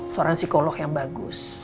seorang psikolog yang bagus